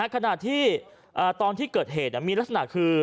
ขณะที่ตอนที่เกิดเหตุมีลักษณะคือ